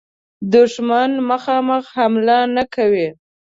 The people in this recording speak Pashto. دښمن مخامخ حمله نه کوي.